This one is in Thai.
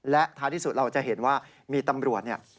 และท้ายที่สุดเราจะเห็นว่ามีตำรวจเนี่ย